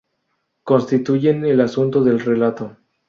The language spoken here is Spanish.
Constituyen el asunto del relato.